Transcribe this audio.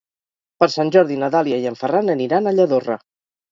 Per Sant Jordi na Dàlia i en Ferran aniran a Lladorre.